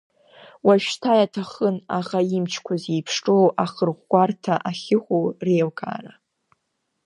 Уажәшьҭа иаҭахын аӷа имчқәа зеиԥшроуи ихырӷәӷәарҭақәа ахьыҟоуи реилкаара.